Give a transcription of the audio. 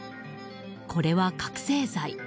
これは覚醒剤。